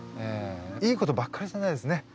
いいことばっかりじゃないですね。